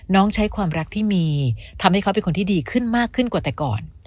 ใช้ความรักที่มีทำให้เขาเป็นคนที่ดีขึ้นมากขึ้นกว่าแต่ก่อน